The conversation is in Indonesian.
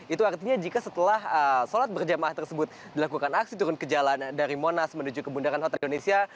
itu artinya jika setelah sholat berjamaah tersebut dilakukan aksi turun ke jalan dari monas menuju ke bundaran hotel indonesia